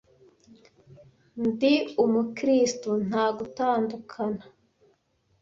ndi umukirisitu nta gutandukana